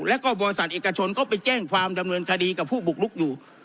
แล้วก็บริษัทเอกชนก็ไปแจ้งความดำเนินคดีกับผู้บุกลุกอยู่